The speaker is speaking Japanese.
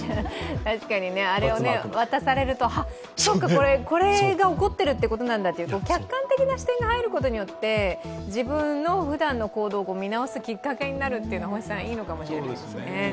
確かにあれを渡されると、これが怒ってるってことなんだと客観的な視点が入ることによって自分のふだんの行動を見直すきっかけになるというのはいいかもしれないですね。